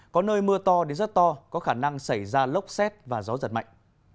có nơi mưa to đến rất to có khả năng xảy ra lốc xét và gió giật mạnh